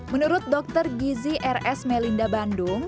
menurut dokter gizi rs melinda bandung